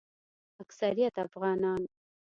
اکثریت افغانان